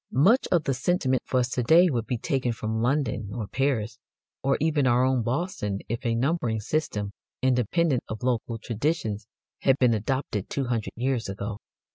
Much of the sentiment for us to day would be taken from London, or Paris, or even our own Boston, if a numbering system, independent of local traditions, had been adopted two hundred years ago.